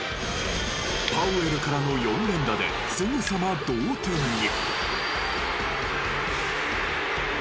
パウエルからの４連打ですぐさま同点に。